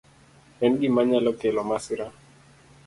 En gima nyalo kelo masira..